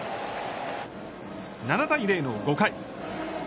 ７対０の５回。